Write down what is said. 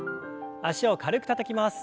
脚を軽くたたきます。